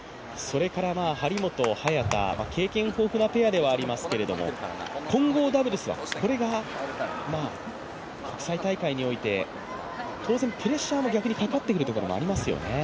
張本・早田経験豊富なペアではありますが混合ダブルスはこれが国際大会において当然、プレッシャーもかかってくるところではありますよね。